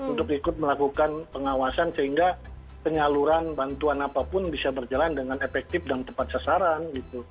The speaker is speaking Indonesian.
untuk ikut melakukan pengawasan sehingga penyaluran bantuan apapun bisa berjalan dengan efektif dan tepat sasaran